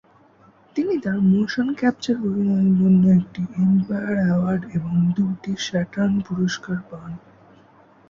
তিনি তার মোশন-ক্যাপচার অভিনয়ের জন্য একটি এম্পায়ার অ্যাওয়ার্ড এবং দুইটি স্যাটার্ন পুরস্কার পান।